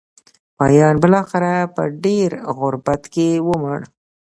پاپین بلاخره په ډېر غربت کې ومړ.